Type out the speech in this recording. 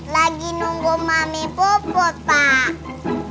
lagi nunggu mami puput pak